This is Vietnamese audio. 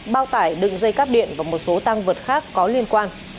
bao tải đựng dây cắp điện và một số tăng vật khác có liên quan